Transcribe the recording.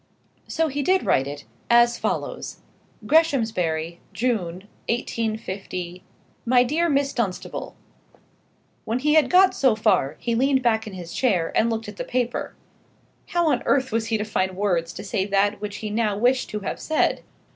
So he did write it, as follows: Greshamsbury, June, 185 . MY DEAR MISS DUNSTABLE, When he had got so far, he leaned back in his chair and looked at the paper. How on earth was he to find words to say that which he now wished to have said?